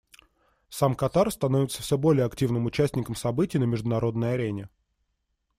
Сам Катар становится все более активным участником событий на международной арене.